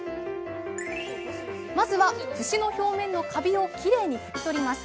まずは節の表面のカビをきれいに拭き取ります。